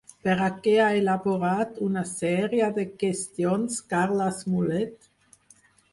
Per a què ha elaborat una sèrie de qüestions Carles Mulet?